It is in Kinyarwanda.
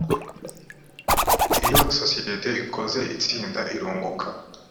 iyo sosiyete ikoze itsinda irunguka